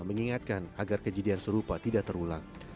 mengingatkan agar kejadian serupa tidak terulang